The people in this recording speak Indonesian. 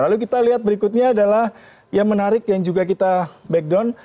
lalu kita lihat berikutnya adalah yang menarik yang juga kita backdown